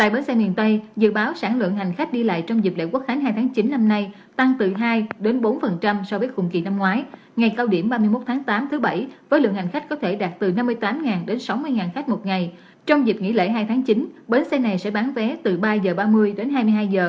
bến xe này sẽ bán vé từ ba h ba mươi đến hai mươi hai h